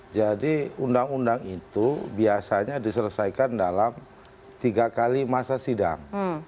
jadi undang undang itu biasanya diselesaikan dalam tiga kali masa sidang